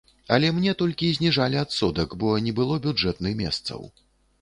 Але мне толькі зніжалі адсотак, бо не было бюджэтны месцаў.